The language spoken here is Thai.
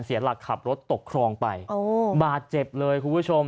เสียหลักขับรถตกครองไปบาดเจ็บเลยคุณผู้ชม